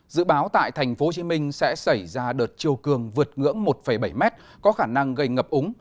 dự báo tại tp hcm sẽ xảy ra đợt chiều cường vượt ngưỡng một bảy m có khả năng gây ngập úng